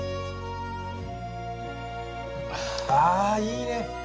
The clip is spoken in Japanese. あいいね！